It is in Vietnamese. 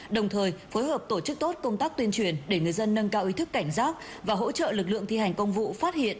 đồng thời phối hợp tổ chức tốt công tác tuyên truyền để người dân nâng cao ý thức cảnh giác và hỗ trợ lực lượng thi hành công vụ phát hiện